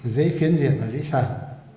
dễ phiến diện và dễ sang